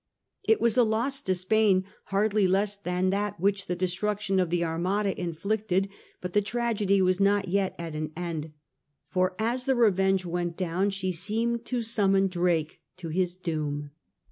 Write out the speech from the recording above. It was a loss to Spain hardly less than that which the destruction of the Armada inflicted, but the tragedy was not yet at an end. For as the Revenge went down she seemed to summon Drake to his doom.